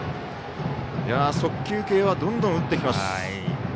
速球系はどんどん打ってきます。